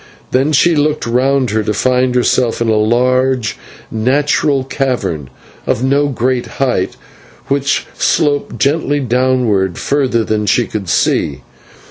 Then she looked round her, to find herself in a large natural cavern of no great height, which sloped gently downwards further than she could see.